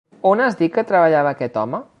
On has dit que treballava aquest home?